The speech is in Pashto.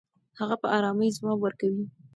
هغه په ارامۍ ځواب ورکوي.